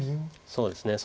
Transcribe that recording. そうですね